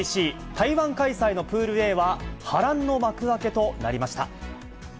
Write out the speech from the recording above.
台湾開催のプールＡは波乱の幕開けとなりました。